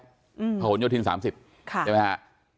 อืมผลโยทิน๓๐ใช่ไหมค่ะค่ะ